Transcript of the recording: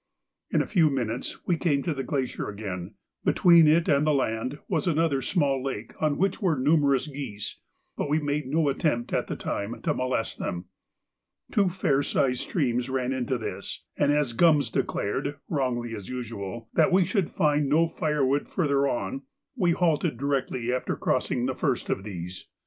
In a few minutes we came to the glacier again; between it and the land was another small lake on which were numerous geese, but we made no attempt at the time to molest them. Two fair sized streams ran into this, and as Gums declared, wrongly as usual, that we should find no firewood further on, we halted directly after crossing the first of these.